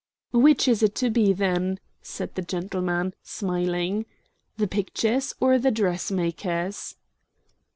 "Which is it to be, then?" said the gentleman, smiling. "The pictures or the dressmakers?"